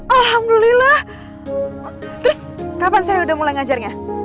alhamdulillah terus kapan saya udah mulai ngajarnya